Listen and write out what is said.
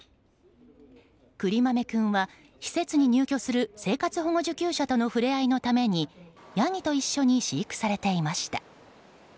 くりまめ君は施設に入居する生活保護受給者との触れ合いのためにヤギと一緒に飼育されていました。